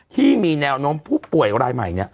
ที่มีแนวโน้มผู้ป่วยรายใหม่